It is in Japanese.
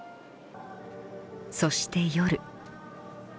そして夜。